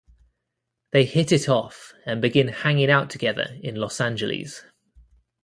They hit it off and begin hanging out together in Los Angeles.